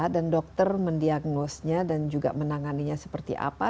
dan dokter mendiagnosnya dan juga menanganinya seperti apa